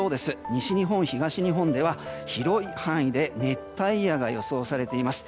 西日本、東日本では広い範囲で熱帯夜が予想されています。